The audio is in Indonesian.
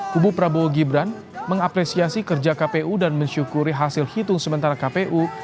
kubu prabowo gibran mengapresiasi kerja kpu dan mensyukuri hasil hitung sementara kpu